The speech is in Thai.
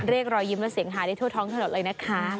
รอยยิ้มและเสียงหาได้ทั่วท้องถนนเลยนะคะ